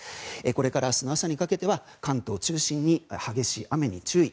これから明日の朝にかけては関東を中心に激しい雨に注意。